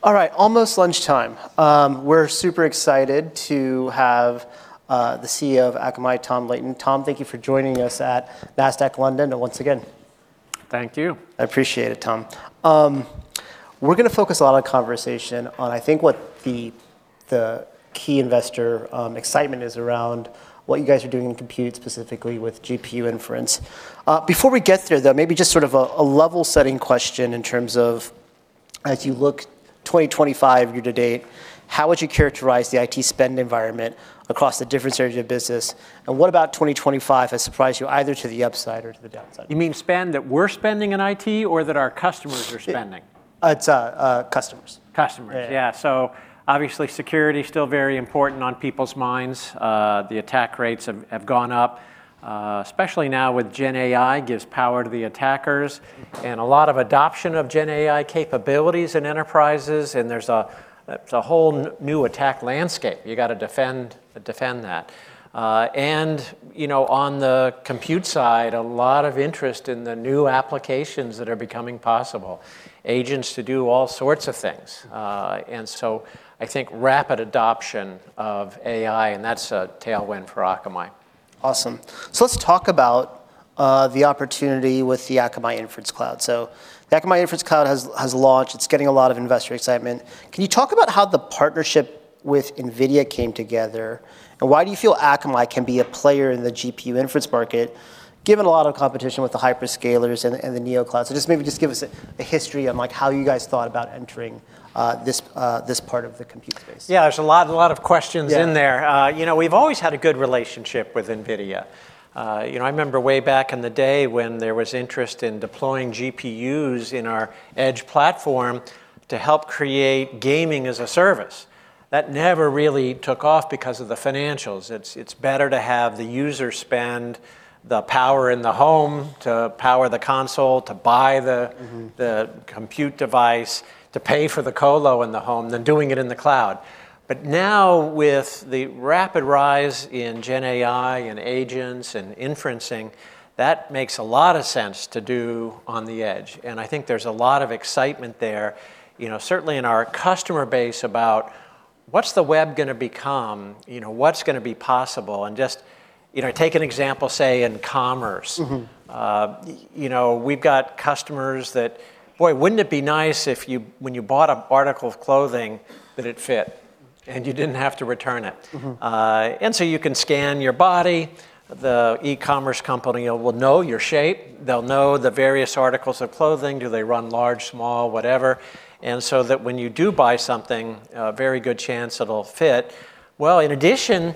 All right, almost lunchtime. We're super excited to have the CEO of Akamai, Tom Leighton. Tom, thank you for joining us at Nasdaq London, and once again. Thank you. I appreciate it, Tom. We're going to focus a lot of conversation on, I think, what the key investor excitement is around what you guys are doing in compute, specifically with GPU inference. Before we get there, though, maybe just sort of a level-setting question in terms of, as you look 2025 year-to-date, how would you characterize the IT spend environment across the different stages of business? And what about 2025 has surprised you either to the upside or to the downside? You mean spend that we're spending in IT or that our customers are spending? It's customers. Customers, yeah. So obviously, security is still very important on people's minds. The attack rates have gone up, especially now with GenAI. It gives power to the attackers. And a lot of adoption of GenAI capabilities in enterprises, and there's a whole new attack landscape. You've got to defend that. And on the compute side, a lot of interest in the new applications that are becoming possible, agents to do all sorts of things. And so I think rapid adoption of AI, and that's a tailwind for Akamai. Awesome. So let's talk about the opportunity with the Akamai Inference Cloud. So the Akamai Inference Cloud has launched. It's getting a lot of investor excitement. Can you talk about how the partnership with NVIDIA came together, and why do you feel Akamai can be a player in the GPU inference market, given a lot of competition with the hyperscalers and the neoclouds? So just maybe just give us a history on how you guys thought about entering this part of the compute space. Yeah, there's a lot of questions in there. We've always had a good relationship with NVIDIA. I remember way back in the day when there was interest in deploying GPUs in our edge platform to help create gaming as a service. That never really took off because of the financials. It's better to have the user spend the power in the home to power the console, to buy the compute device, to pay for the colo in the home, than doing it in the cloud. But now, with the rapid rise in GenAI and agents and inferencing, that makes a lot of sense to do on the edge. And I think there's a lot of excitement there, certainly in our customer base, about what's the web going to become, what's going to be possible. And just take an example, say, in commerce. We've got customers that, boy, wouldn't it be nice if when you bought an article of clothing that it fit, and you didn't have to return it? And so you can scan your body. The e-commerce company will know your shape. They'll know the various articles of clothing. Do they run large, small, whatever? And so that when you do buy something, a very good chance it'll fit. Well, in addition,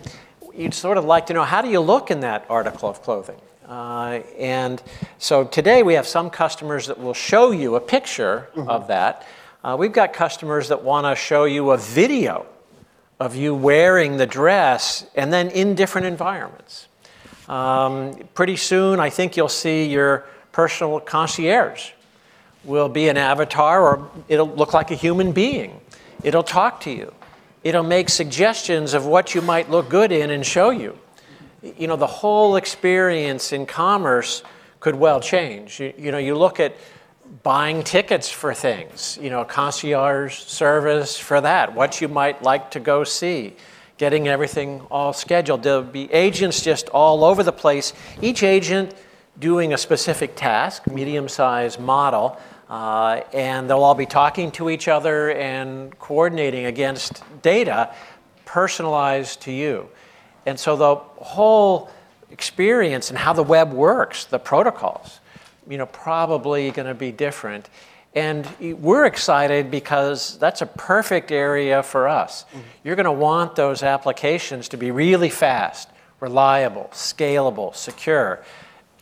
you'd sort of like to know how do you look in that article of clothing? And so today, we have some customers that will show you a picture of that. We've got customers that want to show you a video of you wearing the dress, and then in different environments. Pretty soon, I think you'll see your personal concierge will be an avatar, or it'll look like a human being. It'll talk to you. It'll make suggestions of what you might look good in and show you. The whole experience in commerce could well change. You look at buying tickets for things, concierge service for that, what you might like to go see, getting everything all scheduled. There'll be agents just all over the place, each agent doing a specific task. Medium-sized model, and they'll all be talking to each other and coordinating against data personalized to you, and so the whole experience and how the web works, the protocols, probably going to be different, and we're excited because that's a perfect area for us. You're going to want those applications to be really fast, reliable, scalable, secure.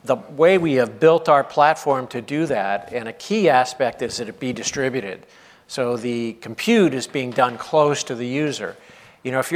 The way we have built our platform to do that, and a key aspect is that it be distributed, so the compute is being done close to the user. If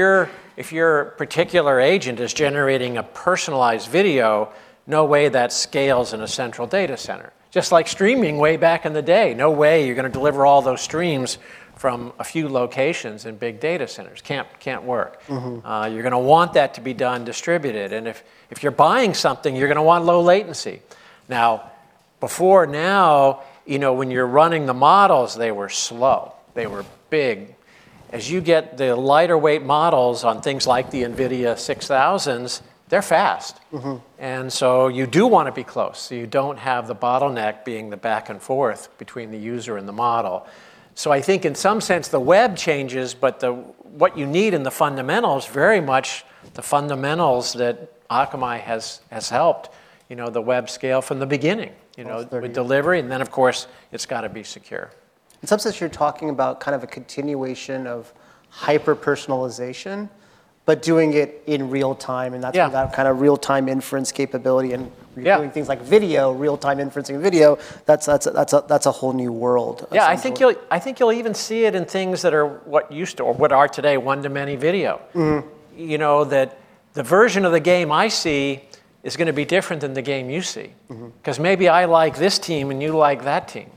your particular agent is generating a personalized video, no way that scales in a central data center. Just like streaming way back in the day, no way you're going to deliver all those streams from a few locations in big data centers. Can't work. You're going to want that to be done distributed. And if you're buying something, you're going to want low latency. Now, before now, when you're running the models, they were slow. They were big. As you get the lighter-weight models on things like the NVIDIA RTX 6000s, they're fast. And so you do want to be close. You don't have the bottleneck being the back and forth between the user and the model. So I think, in some sense, the web changes, but what you need in the fundamentals is very much the fundamentals that Akamai has helped the web scale from the beginning, with delivery. And then, of course, it's got to be secure. In some sense, you're talking about kind of a continuation of hyper-personalization, but doing it in real time. And that's kind of real-time inference capability. And you're doing things like video, real-time inferencing video. That's a whole new world. Yeah, I think you'll even see it in things that are what used to, or what are today, one-to-many video. That the version of the game I see is going to be different than the game you see. Because maybe I like this team, and you like that team.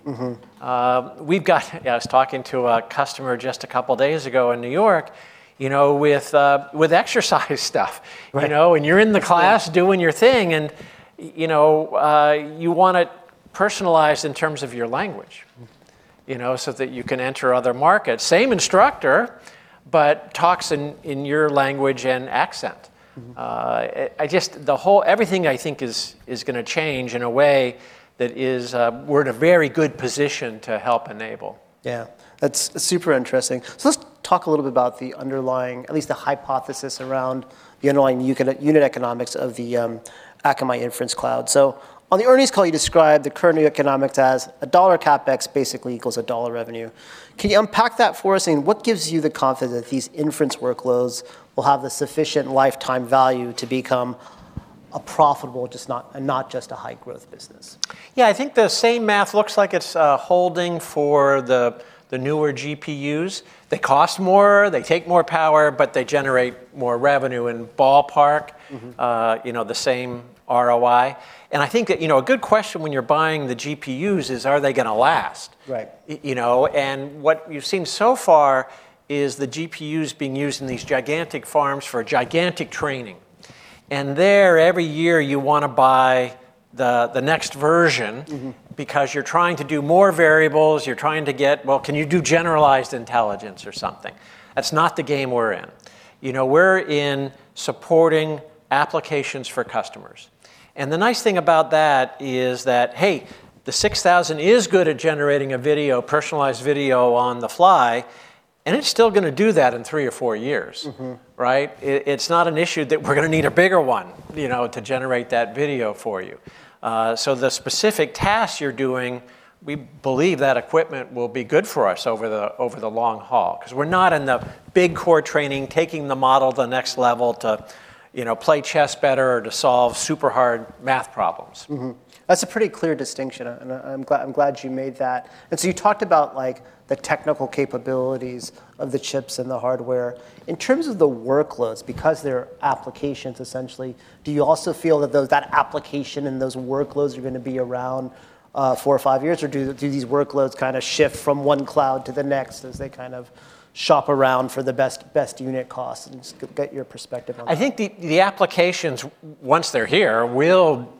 We've got, I was talking to a customer just a couple of days ago in New York with exercise stuff, and you're in the class doing your thing, and you want it personalized in terms of your language, so that you can enter other markets. Same instructor, but talks in your language and accent. Everything, I think, is going to change in a way that we're in a very good position to help enable. Yeah, that's super interesting. So let's talk a little bit about the underlying, at least the hypothesis around the underlying unit economics of the Akamai Inference Cloud. So on the earnings call, you described the current economics as $1 CapEx basically equals $1 revenue. Can you unpack that for us? And what gives you the confidence that these inference workloads will have the sufficient lifetime value to become profitable, not just a high-growth business? Yeah, I think the same math looks like it's holding for the newer GPUs. They cost more. They take more power, but they generate more revenue in the ballpark, the same ROI. And I think a good question when you're buying the GPUs is, are they going to last? And what you've seen so far is the GPUs being used in these gigantic farms for gigantic training. And there, every year, you want to buy the next version because you're trying to do more variables. You're trying to get, well, can you do generalized intelligence or something? That's not the game we're in. We're in supporting applications for customers. And the nice thing about that is that, hey, the NVIDIA RTX 6000 is good at generating a video, personalized video on the fly, and it's still going to do that in three or four years. It's not an issue that we're going to need a bigger one to generate that video for you. So the specific tasks you're doing, we believe that equipment will be good for us over the long haul. Because we're not in the big core training, taking the model to the next level to play chess better or to solve super hard math problems. That's a pretty clear distinction. I'm glad you made that. And so you talked about the technical capabilities of the chips and the hardware. In terms of the workloads, because they're applications essentially, do you also feel that that application and those workloads are going to be around four or five years? Or do these workloads kind of shift from one cloud to the next as they kind of shop around for the best unit cost? And just get your perspective on that. I think the applications, once they're here, will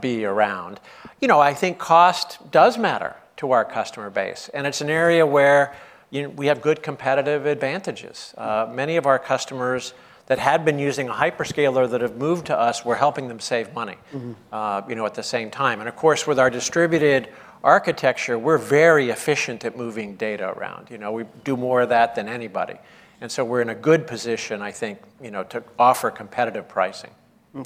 be around. I think cost does matter to our customer base, and it's an area where we have good competitive advantages. Many of our customers that had been using a hyperscaler that have moved to us, we're helping them save money at the same time, and of course, with our distributed architecture, we're very efficient at moving data around. We do more of that than anybody, and so we're in a good position, I think, to offer competitive pricing.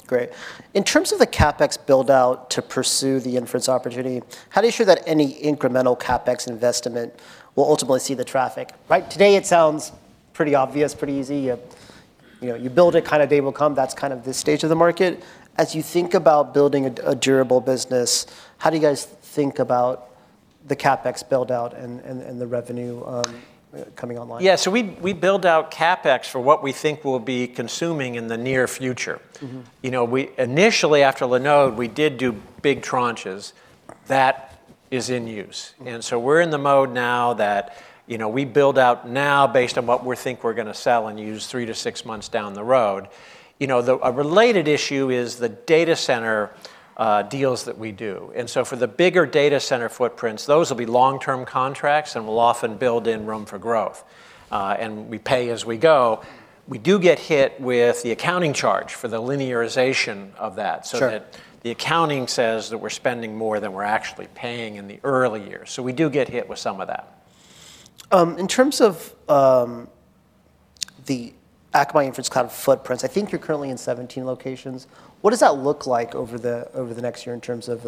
Great. In terms of the CapEx build-out to pursue the inference opportunity, how do you show that any incremental CapEx investment will ultimately see the traffic? Today, it sounds pretty obvious, pretty easy. You build it, kind of day will come. That's kind of the stage of the market. As you think about building a durable business, how do you guys think about the CapEx build-out and the revenue coming online? Yeah, so we build out CapEx for what we think we'll be consuming in the near future. Initially, after Linode, we did do big tranches. That is in use. And so we're in the mode now that we build out now based on what we think we're going to sell and use three to six months down the road. A related issue is the data center deals that we do. And so for the bigger data center footprints, those will be long-term contracts, and we'll often build in room for growth. And we pay as we go. We do get hit with the accounting charge for the linearization of that, so that the accounting says that we're spending more than we're actually paying in the early years. So we do get hit with some of that. In terms of the Akamai Inference Cloud footprints, I think you're currently in 17 locations. What does that look like over the next year in terms of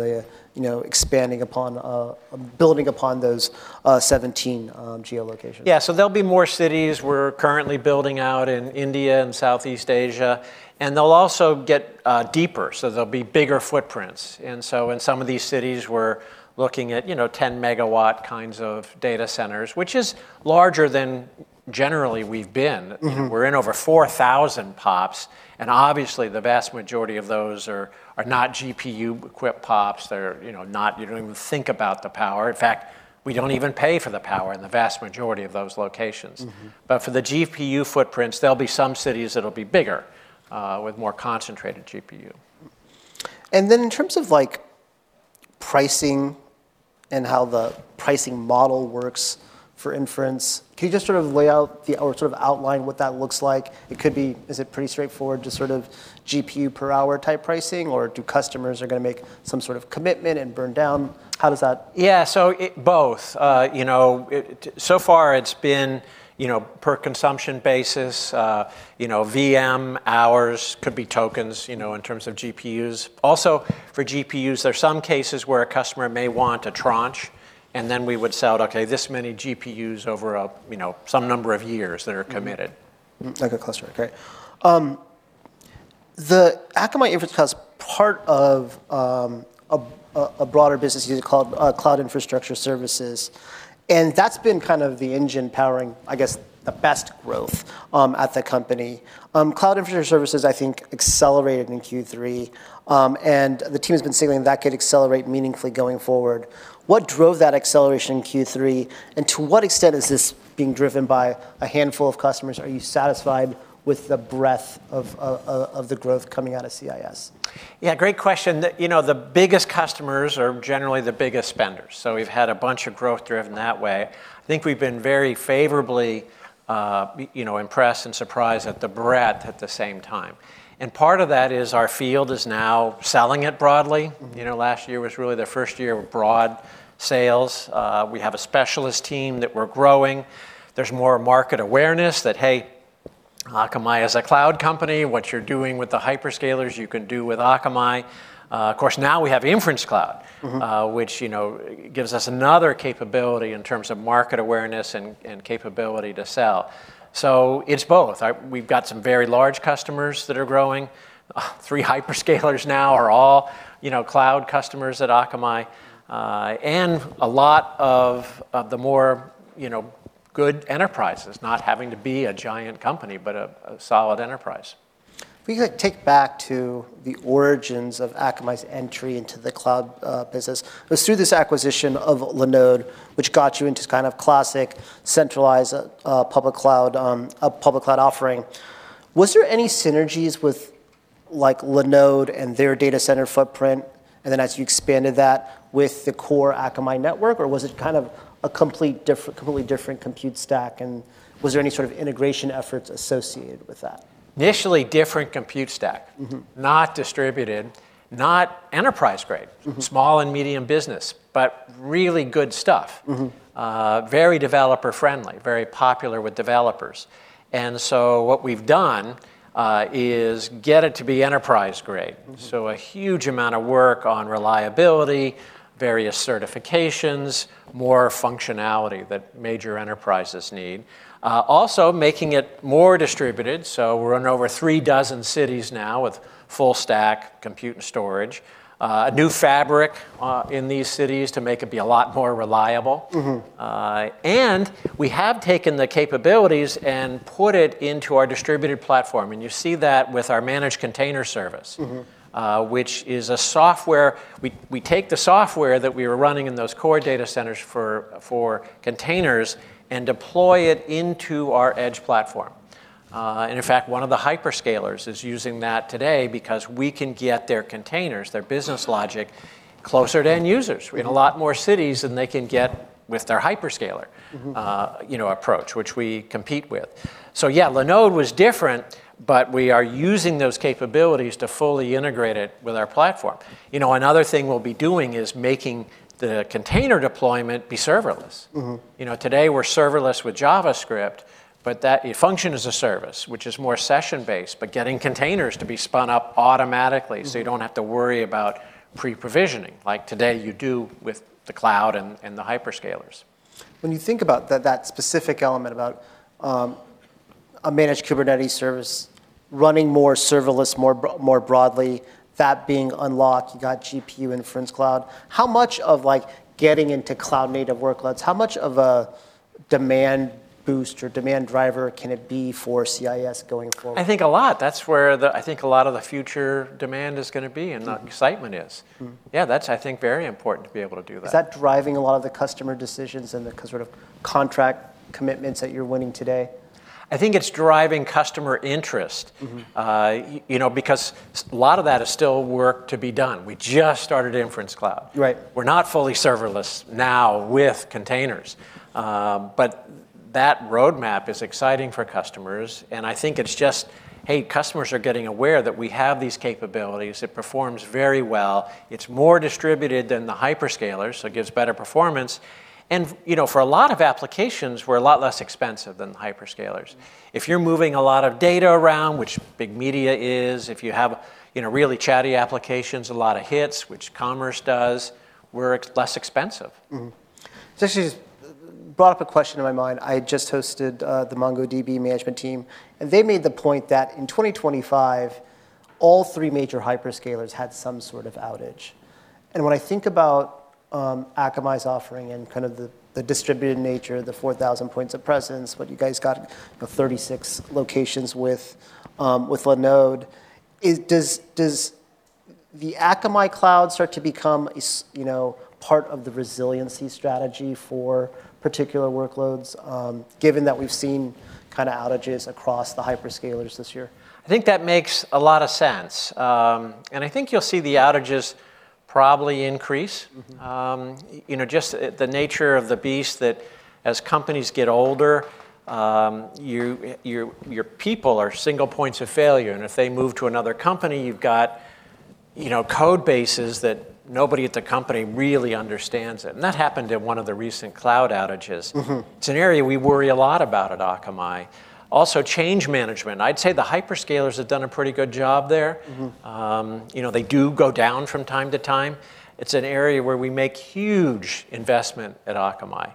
expanding upon, building upon those 17 geolocations? Yeah, so there'll be more cities. We're currently building out in India and Southeast Asia, and they'll also get deeper, so there'll be bigger footprints, and so in some of these cities, we're looking at 10 megawatt kinds of data centers, which is larger than generally we've been. We're in over 4,000 POPs, and obviously, the vast majority of those are not GPU-equipped POPs. You don't even think about the power. In fact, we don't even pay for the power in the vast majority of those locations, but for the GPU footprints, there'll be some cities that'll be bigger with more concentrated GPU. And then in terms of pricing and how the pricing model works for inference, can you just sort of lay out or sort of outline what that looks like? It could be. Is it pretty straightforward, just sort of GPU-per-hour type pricing? Or do customers are going to make some sort of commitment and burn down? How does that? Yeah, so both. So far, it's been per consumption basis. VM hours could be tokens in terms of GPUs. Also, for GPUs, there are some cases where a customer may want a tranche, and then we would sell, OK, this many GPUs over some number of years that are committed. Like a cluster, OK. The Akamai Inference Cloud is part of a broader business unit called cloud infrastructure services. And that's been kind of the engine powering, I guess, the best growth at the company. Cloud infrastructure services, I think, accelerated in Q3. And the team has been signaling that could accelerate meaningfully going forward. What drove that acceleration in Q3? And to what extent is this being driven by a handful of customers? Are you satisfied with the breadth of the growth coming out of CIS? Yeah, great question. The biggest customers are generally the biggest spenders. So we've had a bunch of growth driven that way. I think we've been very favorably impressed and surprised at the breadth at the same time. And part of that is our field is now selling it broadly. Last year was really the first year of broad sales. We have a specialist team that we're growing. There's more market awareness that, hey, Akamai is a cloud company. What you're doing with the hyperscalers, you can do with Akamai. Of course, now we have Inference Cloud, which gives us another capability in terms of market awareness and capability to sell. So it's both. We've got some very large customers that are growing. Three hyperscalers now are all cloud customers at Akamai. And a lot of the more good enterprises, not having to be a giant company, but a solid enterprise. If we could go back to the origins of Akamai's entry into the cloud business, it was through this acquisition of Linode, which got you into kind of classic centralized public cloud offering. Was there any synergies with Linode and their data center footprint, and then as you expanded that with the core Akamai network? Or was it kind of a completely different compute stack, and was there any sort of integration efforts associated with that? Initially, different compute stack, not distributed, not enterprise grade, small and medium business, but really good stuff, very developer-friendly, very popular with developers, and so what we've done is get it to be enterprise grade, so a huge amount of work on reliability, various certifications, more functionality that major enterprises need, also making it more distributed, so we're in over three dozen cities now with full stack compute and storage, a new fabric in these cities to make it be a lot more reliable, and we have taken the capabilities and put it into our distributed platform, and you see that with our managed container service, which is a software. We take the software that we were running in those core data centers for containers and deploy it into our edge platform. And in fact, one of the hyperscalers is using that today because we can get their containers, their business logic, closer to end users in a lot more cities than they can get with their hyperscaler approach, which we compete with. So yeah, Linode was different, but we are using those capabilities to fully integrate it with our platform. Another thing we'll be doing is making the container deployment be serverless. Today, we're serverless with JavaScript, but that function is a service, which is more session-based, but getting containers to be spun up automatically so you don't have to worry about pre-provisioning, like today you do with the cloud and the hyperscalers. When you think about that specific element about a managed Kubernetes service running more serverless, more broadly, that being unlocked, you got GPU Inference Cloud. How much of getting into cloud-native workloads, how much of a demand boost or demand driver can it be for CIS going forward? I think a lot. That's where I think a lot of the future demand is going to be and the excitement is. Yeah, that's, I think, very important to be able to do that. Is that driving a lot of the customer decisions and the sort of contract commitments that you're winning today? I think it's driving customer interest. Because a lot of that is still work to be done. We just started Inference Cloud. We're not fully serverless now with containers. But that roadmap is exciting for customers. And I think it's just, hey, customers are getting aware that we have these capabilities. It performs very well. It's more distributed than the hyperscalers, so it gives better performance. And for a lot of applications, we're a lot less expensive than the hyperscalers. If you're moving a lot of data around, which big media is, if you have really chatty applications, a lot of hits, which commerce does, we're less expensive. This actually just brought up a question in my mind. I had just hosted the MongoDB management team, and they made the point that in 2025, all three major hyperscalers had some sort of outage, and when I think about Akamai's offering and kind of the distributed nature, the 4,000 points of presence, what you guys got 36 locations with Linode, does the Akamai Cloud start to become part of the resiliency strategy for particular workloads, given that we've seen kind of outages across the hyperscalers this year? I think that makes a lot of sense, and I think you'll see the outages probably increase. Just the nature of the beast that as companies get older, your people are single points of failure, and if they move to another company, you've got code bases that nobody at the company really understands. And that happened in one of the recent cloud outages. It's an area we worry a lot about at Akamai. Also, change management. I'd say the hyperscalers have done a pretty good job there. They do go down from time to time. It's an area where we make huge investment at Akamai.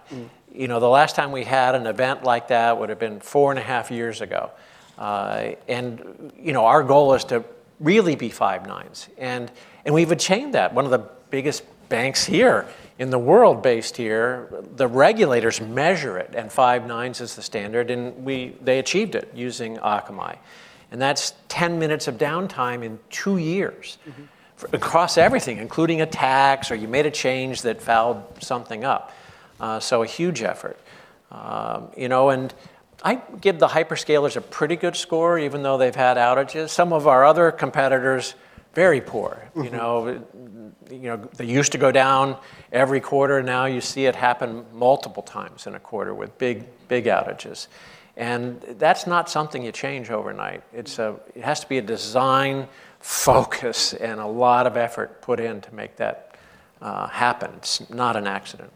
The last time we had an event like that would have been four and a half years ago, and our goal is to really be five nines. And we've achieved that. One of the biggest banks here in the world based here, the regulators measure it. And five nines is the standard. And they achieved it using Akamai. And that's 10 minutes of downtime in two years across everything, including attacks, or you made a change that fouled something up. So a huge effort. And I give the hyperscalers a pretty good score, even though they've had outages. Some of our other competitors, very poor. They used to go down every quarter. Now you see it happen multiple times in a quarter with big outages. And that's not something you change overnight. It has to be a design focus and a lot of effort put in to make that happen. It's not an accident.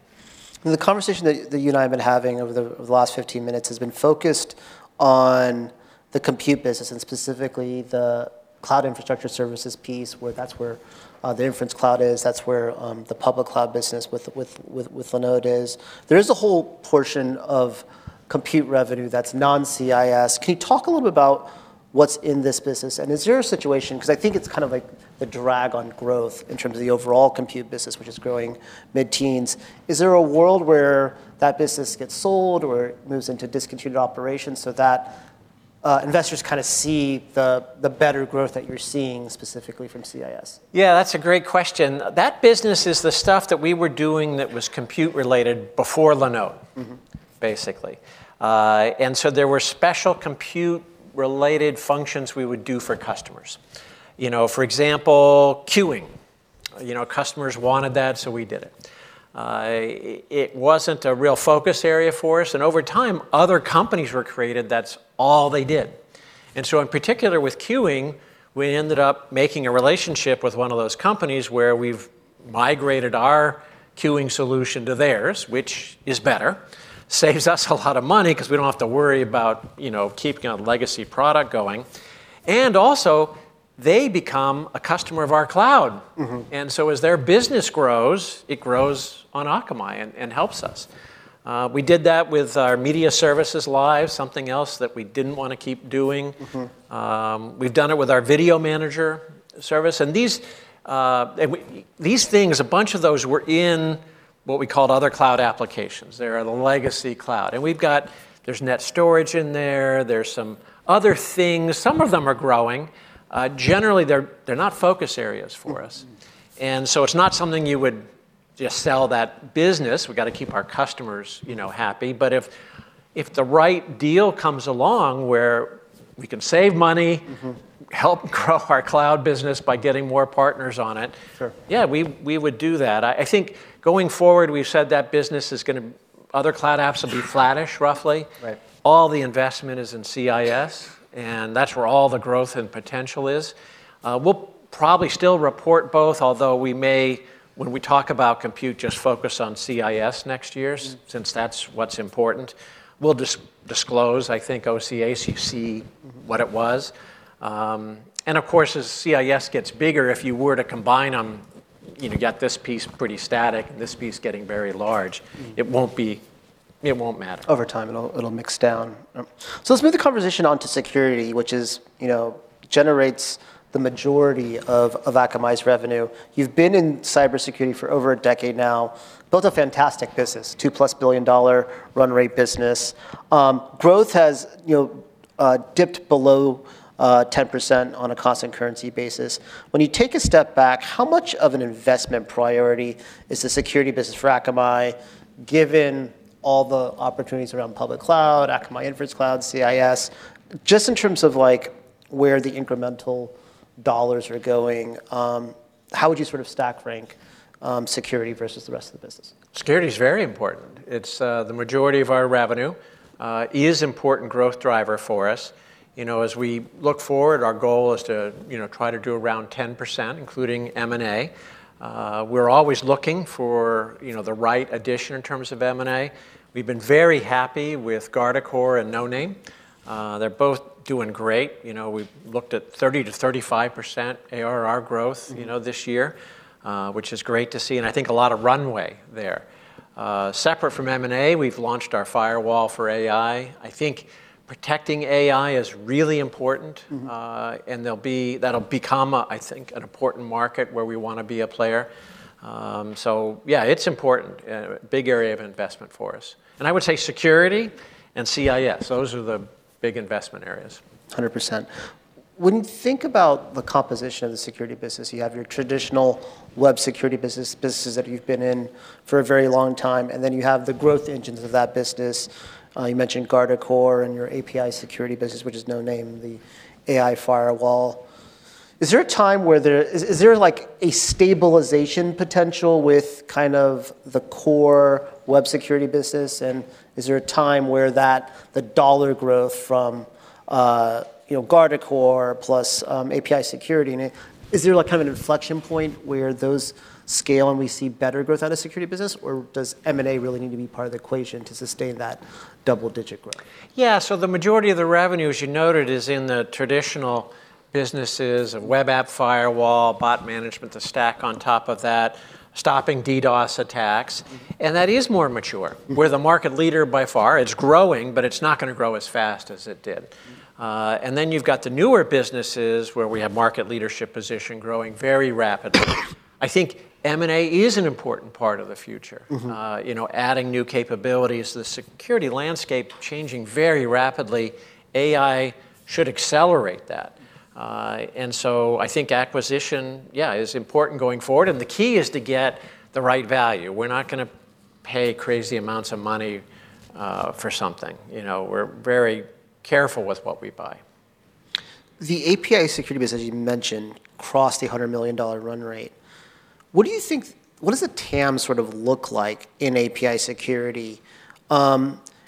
The conversation that you and I have been having over the last 15 minutes has been focused on the compute business, and specifically the cloud infrastructure services piece, where that's the Inference Cloud is. That's where the public cloud business with Linode is. There is a whole portion of compute revenue that's non-CIS. Can you talk a little bit about what's in this business? And is there a situation, because I think it's kind of like the drag on growth in terms of the overall compute business, which is growing mid-teens, is there a world where that business gets sold or moves into discontinued operations so that investors kind of see the better growth that you're seeing specifically from CIS? Yeah, that's a great question. That business is the stuff that we were doing that was compute-related before Linode, basically. And so there were special compute-related functions we would do for customers. For example, queuing. Customers wanted that, so we did it. It wasn't a real focus area for us. And over time, other companies were created. That's all they did. And so in particular with queuing, we ended up making a relationship with one of those companies where we've migrated our queuing solution to theirs, which is better. Saves us a lot of money because we don't have to worry about keeping a legacy product going. And also, they become a customer of our cloud. And so as their business grows, it grows on Akamai and helps us. We did that with our Media Services Live, something else that we didn't want to keep doing. We've done it with our Video Manager service, and these things, a bunch of those were in what we call other cloud applications. They're the legacy cloud, and we've got, there's NetStorage in there. There's some other things. Some of them are growing. Generally, they're not focus areas for us, and so it's not something you would just sell that business. We've got to keep our customers happy, but if the right deal comes along where we can save money, help grow our cloud business by getting more partners on it, yeah, we would do that. I think going forward, we've said that business is going to other cloud apps will be flattish, roughly. All the investment is in CIS, and that's where all the growth and potential is. We'll probably still report both, although we may, when we talk about compute, just focus on CIS next year since that's what's important. We'll disclose, I think, [OCACC], what it was. And of course, as CIS gets bigger, if you were to combine them, you got this piece pretty static and this piece getting very large, it won't matter. Over time, it'll mix down. So let's move the conversation on to security, which generates the majority of Akamai's revenue. You've been in cybersecurity for over a decade now. Built a fantastic business, $2+ billion run rate business. Growth has dipped below 10% on a constant currency basis. When you take a step back, how much of an investment priority is the security business for Akamai given all the opportunities around public cloud, Akamai Inference Cloud, CIS? Just in terms of where the incremental dollars are going, how would you sort of stack rank security versus the rest of the business? Security is very important. The majority of our revenue is an important growth driver for us. As we look forward, our goal is to try to do around 10%, including M&A. We're always looking for the right addition in terms of M&A. We've been very happy with Guardicore and Noname. They're both doing great. We looked at 30%-35% ARR growth this year, which is great to see, and I think a lot of runway there. Separate from M&A, we've launched our Firewall for AI. I think protecting AI is really important, and that'll become, I think, an important market where we want to be a player, so yeah, it's important. Big area of investment for us, and I would say security and CIS. Those are the big investment areas. 100%. When you think about the composition of the security business, you have your traditional web security business, businesses that you've been in for a very long time. And then you have the growth engines of that business. You mentioned Guardicore and your API Security business, which is Noname, the AI firewall. Is there a time where there is a stabilization potential with kind of the core web security business? And is there a time where the dollar growth from Guardicore plus API Security, is there kind of an inflection point where those scale and we see better growth out of security business? Or does M&A really need to be part of the equation to sustain that double-digit growth? Yeah, so the majority of the revenue, as you noted, is in the traditional businesses of web app firewall, bot management, the stack on top of that, stopping DDoS attacks. And that is more mature, where the market leader by far is growing, but it's not going to grow as fast as it did. And then you've got the newer businesses where we have market leadership position growing very rapidly. I think M&A is an important part of the future, adding new capabilities. The security landscape changing very rapidly. AI should accelerate that. And so I think acquisition, yeah, is important going forward. And the key is to get the right value. We're not going to pay crazy amounts of money for something. We're very careful with what we buy. The API Security business, as you mentioned, crossed the $100 million run rate. What do you think, what does a TAM sort of look like in API Security?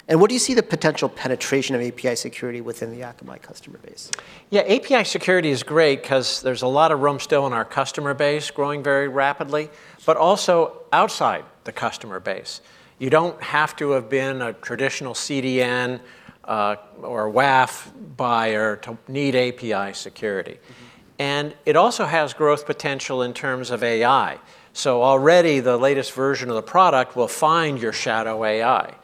And what do you see the potential penetration of API Security within the Akamai customer base? Yeah, API Security is great because there's a lot of room still in our customer base growing very rapidly, but also outside the customer base. You don't have to have been a traditional CDN or WAF buyer to need API Security. And it also has growth potential in terms of AI. So already the latest version of the product will find your shadow AI.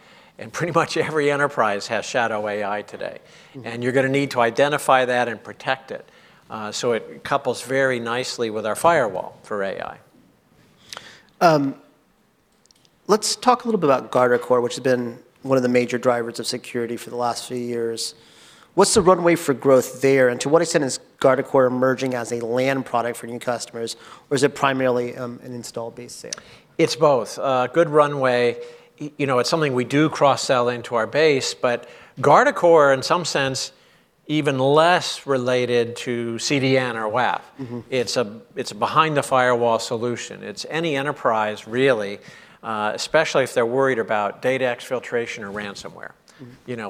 And pretty much every enterprise has shadow AI today. And you're going to need to identify that and protect it. So it couples very nicely with our Firewall for AI. Let's talk a little bit about Guardicore, which has been one of the major drivers of security for the last few years. What's the runway for growth there? And to what extent is Guardicore emerging as a land product for new customers? Or is it primarily an install-based sale? It's both. Good runway. It's something we do cross-sell into our base. But Guardicore, in some sense, even less related to CDN or WAF. It's a behind-the-firewall solution. It's any enterprise, really, especially if they're worried about data exfiltration or ransomware,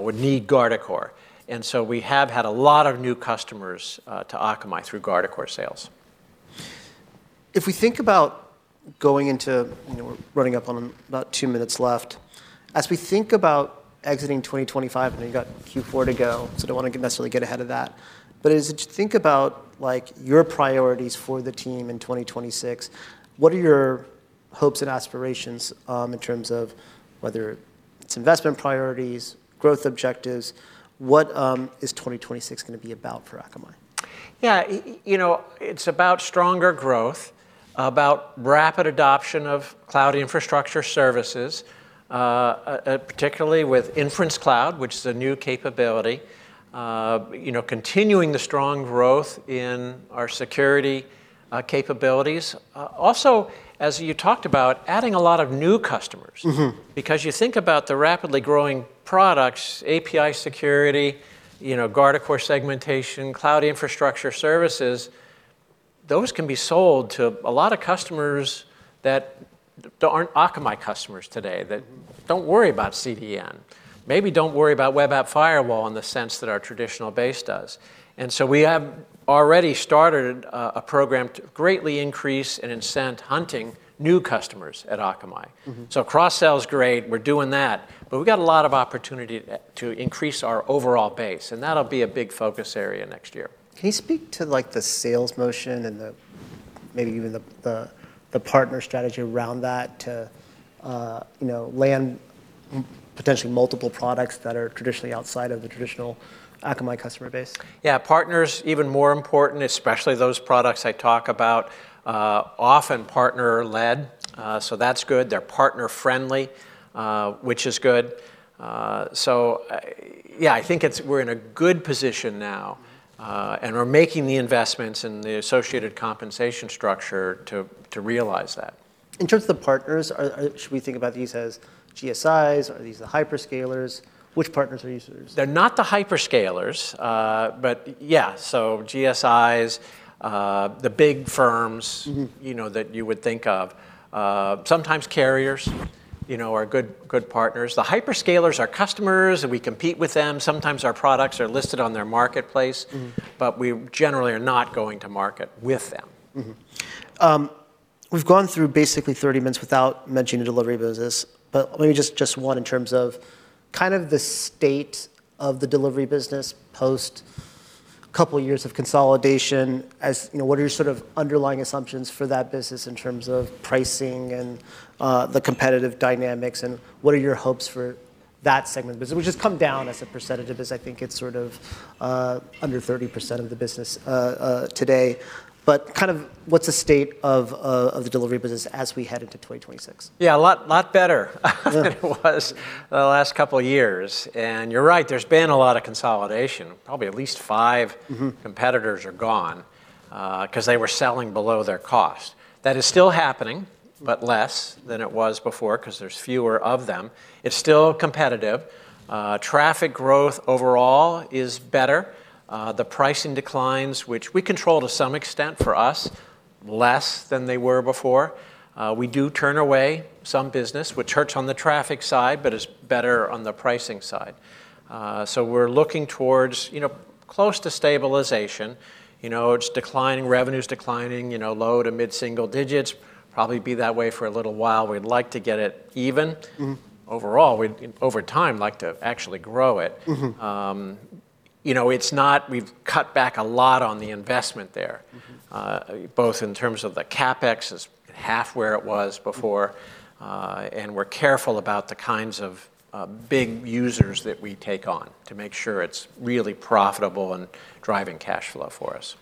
would need Guardicore. And so we have had a lot of new customers to Akamai through Guardicore sales. If we think about going into, we're running up on about two minutes left. As we think about exiting 2025, and we've got Q4 to go, so I don't want to necessarily get ahead of that. But as you think about your priorities for the team in 2026, what are your hopes and aspirations in terms of whether it's investment priorities, growth objectives? What is 2026 going to be about for Akamai? Yeah, it's about stronger growth, about rapid adoption of cloud infrastructure services, particularly with Inference Cloud, which is a new capability, continuing the strong growth in our security capabilities. Also, as you talked about, adding a lot of new customers. Because you think about the rapidly growing products, API Security, Guardicore segmentation, cloud infrastructure services, those can be sold to a lot of customers that aren't Akamai customers today that don't worry about CDN, maybe don't worry about web app firewall in the sense that our traditional base does. And so we have already started a program to greatly increase and incent hunting new customers at Akamai. So cross-sell, great, we're doing that. But we've got a lot of opportunity to increase our overall base. And that'll be a big focus area next year. Can you speak to the sales motion and maybe even the partner strategy around that to land potentially multiple products that are traditionally outside of the traditional Akamai customer base? Yeah, partners even more important, especially those products I talk about, often partner-led. So that's good. They're partner-friendly, which is good. So yeah, I think we're in a good position now, and we're making the investments and the associated compensation structure to realize that. In terms of the partners, should we think about these as GSIs? Are these the hyperscalers? Which partners are users? They're not the hyperscalers. But yeah, so GSIs, the big firms that you would think of. Sometimes carriers are good partners. The hyperscalers are customers, and we compete with them. Sometimes our products are listed on their marketplace. But we generally are not going to market with them. We've gone through basically 30 minutes without mentioning the delivery business. But maybe just one in terms of kind of the state of the delivery business post a couple of years of consolidation. What are your sort of underlying assumptions for that business in terms of pricing and the competitive dynamics? And what are your hopes for that segment of business, which has come down as a percentage of it? I think it's sort of under 30% of the business today. But kind of what's the state of the delivery business as we head into 2026? Yeah, a lot better than it was the last couple of years, and you're right, there's been a lot of consolidation. Probably at least five competitors are gone because they were selling below their cost. That is still happening, but less than it was before because there's fewer of them. It's still competitive. Traffic growth overall is better. The pricing declines, which we control to some extent for us, less than they were before. We do turn away some business, which hurts on the traffic side, but is better on the pricing side, so we're looking towards close to stabilization. It's declining. Revenue is declining low- to mid-single digits. Probably be that way for a little while. We'd like to get it even. Overall, we'd over time like to actually grow it. We've cut back a lot on the investment there, both in terms of the CapEx is half where it was before. And we're careful about the kinds of big users that we take on to make sure it's really profitable and driving cash flow for us.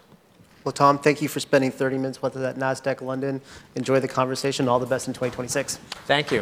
Tom, thank you for spending 30 minutes with us at Nasdaq London. Enjoy the conversation. All the best in 2026. Thank you.